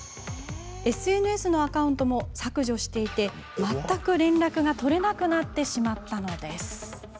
ＳＮＳのアカウントも削除していて、全く連絡が取れなくなってしまったのです。